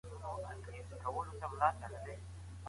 ته ولې اوبه څښې؟